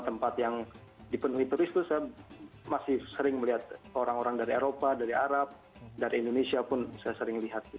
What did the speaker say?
tempat yang dipenuhi turis itu saya masih sering melihat orang orang dari eropa dari arab dari indonesia pun saya sering lihat